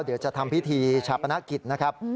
เดี๋ยวจะทำพิธีชาปนกิจนะครับ